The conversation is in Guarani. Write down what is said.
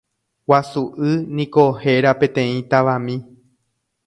Guasu'y niko héra peteĩ tavami.